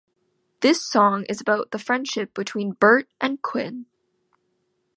This song is about the friendship between Bert and Quinn.